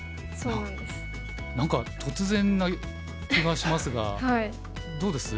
何か突然な気がしますがどうです？